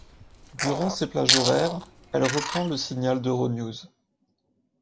Durant ces plages horaires, elle reprend le signal d'Euronews.